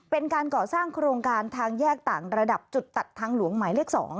เป็นการก่อสร้างโครงการทางแยกต่างระดับจุดตัดทางหลวงหมายเลข๒